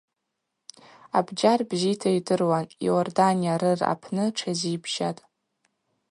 Абджьар бзита йдыруан – Иордания рыр апны тшазибжьатӏ.